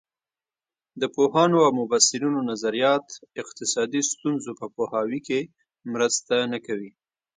د پوهانو او مبصرینو نظریات اقتصادي ستونزو په پوهاوي کې مرسته نه کوي.